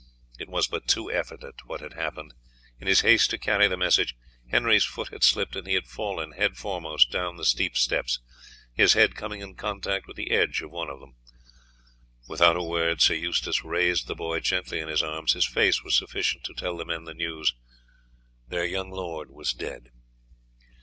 It was but too evident what had happened. In his haste to carry the message Henry's foot had slipped, and he had fallen headforemost down the steep steps, his head coming in contact with the edge of one of them. Without a word Sir Eustace raised the boy gently in his arms. His face was sufficient to tell the men the news; their young lord was dead.